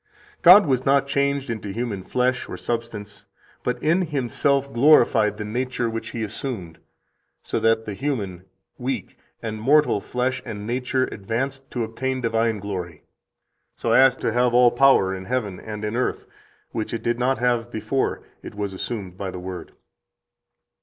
"God was not changed into human flesh or substance, but in Himself glorified the nature which He assumed, so that the human, weak, and mortal flesh and nature advanced to [obtained] divine glory, so as to have all power in heaven and in earth, which it did not have before it was assumed by the Word."